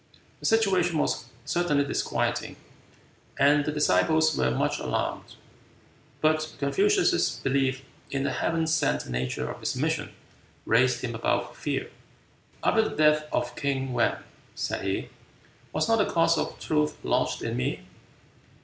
The situation was certainly disquieting, and the disciples were much alarmed. But Confucius's belief in the heaven sent nature of his mission raised him above fear. "After the death of King Wan," said he, "was not the cause of truth lodged in me?